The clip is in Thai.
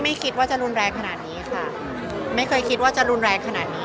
ไม่คิดว่าจะรุนแรงขนาดนี้ค่ะไม่เคยคิดว่าจะรุนแรงขนาดนี้